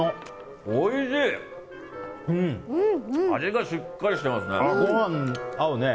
味がしっかりしてますね。